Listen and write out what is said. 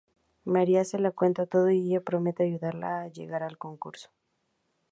María se lo cuenta todo y ella promete ayudarla a llegar al concurso.